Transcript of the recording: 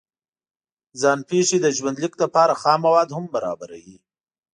ځان پېښې د ژوند لیک لپاره خام مواد هم برابروي.